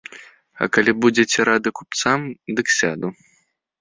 А калі будзеце рады купцам, дык сяду.